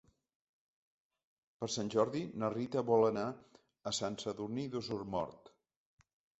Per Sant Jordi na Rita vol anar a Sant Sadurní d'Osormort.